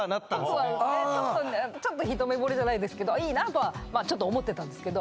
ああちょっと一目ぼれじゃないですけどいいなあとはちょっと思ってたんですけど